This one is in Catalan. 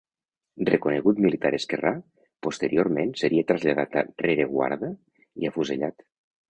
Reconegut militar esquerrà, posteriorment seria traslladat a rereguarda i afusellat.